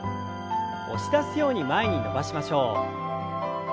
押し出すように前に伸ばしましょう。